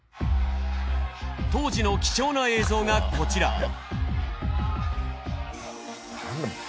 当時の貴重な映像がこちら。